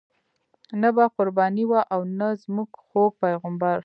نه به قرباني وه او نه زموږ خوږ پیغمبر.